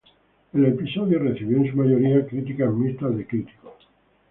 El episodio recibió en su mayoría críticas mixtas de críticos.